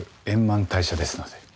円満退社ですので。